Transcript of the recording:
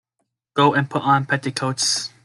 Go and put on petticoats.